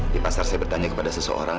di pasar saya bertanya kepada seseorang